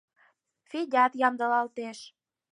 Федят ямдылалтеш.